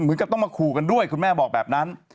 เหมือนกับต้องมาขู่กันด้วยคุณแม่บอกแบบนั้น